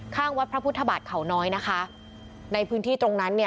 ข้างวัดพระพุทธบาทเขาน้อยนะคะในพื้นที่ตรงนั้นเนี่ย